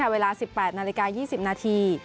เวลา๑๘นาฬิกา๒๐นาที